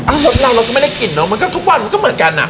รถเราเราก็ไม่ได้กินเนอะมันก็ทุกวันมันก็เหมือนกันอ่ะ